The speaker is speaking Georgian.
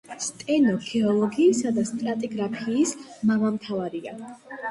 სტენო გეოლოგიისა და სტრატიგრაფიის მამამთავარია.